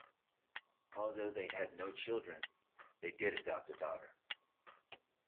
Although they had no children, they did adopt a daughter.